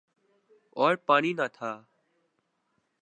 اور پانی نہ تھا۔